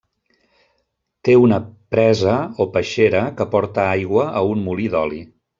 Té una presa o peixera que porta aigua a un molí d'oli.